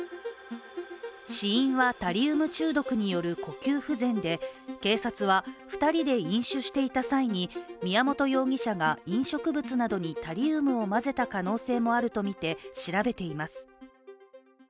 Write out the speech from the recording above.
死因はタリウム中毒による呼吸不全で警察は２人で飲酒していた際に宮本容疑者が飲食物などにタリウムを混ぜた可能性もあるとみて調べています。